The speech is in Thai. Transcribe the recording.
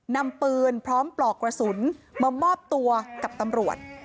นำปืนพร้อมปลอกกระสุนมามอบตัวกับตำรวจ